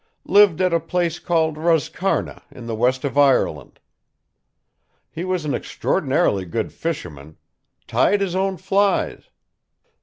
Lived at a place called Roscarna in the west of Ireland. He was an extraordinarily good fisherman: tied his own flies.